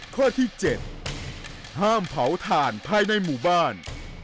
ข้อที่๗ห้ามเผาถ่านภายในหมู่บ้าน